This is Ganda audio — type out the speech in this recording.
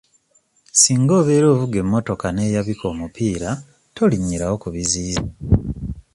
Singa oba ovuga emmotoka n'eyabika omupiira tolinnyirawo ku biziyiza.